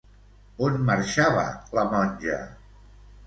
On marxava la Monja?